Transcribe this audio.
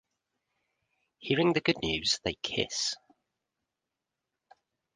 Hearing the good news they kiss.